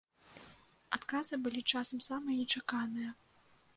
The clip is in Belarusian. Адказы былі часам самыя нечаканыя.